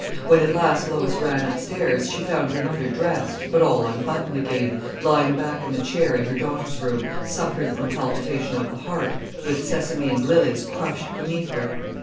When at last Lois ran upstairs, she found her mother dressed, but all unbuttoned again, lying back in the chair in her daughter's room, suffering from palpitation of the heart, with Sesame and Lilies crushed beneath her.